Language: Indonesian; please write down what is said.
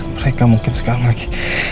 mereka mungkin sekarang lagi